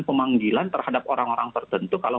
pemanggilan terhadap orang orang tertentu kalau